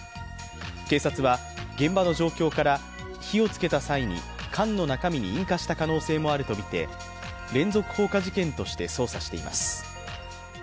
警察は現場の状況から火をつけた際に缶の中身に引火した可能性もあるとみて連続放火事件として捜査しています。